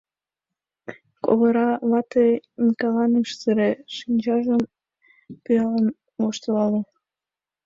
Ковыра вате Микаллан ыш сыре, шинчажым пӱялын, воштылале.